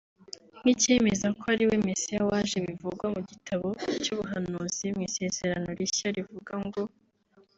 nk’icyemeza ko ariwe mesiya waje bivugwa mu gitabo cy’ubuhanuzi mu isezerano rishya rivuga ngo